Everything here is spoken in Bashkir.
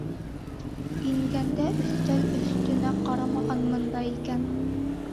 Ингәндә өҫтәл өҫтөнә ҡарамағанмын да икән.